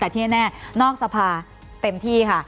แต่ที่แน่นอกสภาเต็มที่ค่ะ